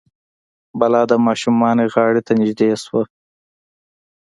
بلا د ماشوم غاړې ته نژدې شو.